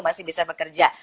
masih bisa bekerja